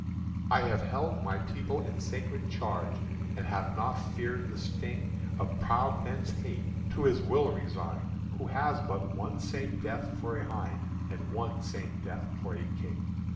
"I have held my people in sacred charge, And have not feared the sting Of proud men's hate, to His will resign'd Who has but one same death for a hind And one same death for a King.